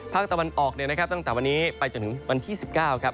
ภาคตะวันออกตั้งแต่วันนี้ไปจนถึงวัน๑๙ครับ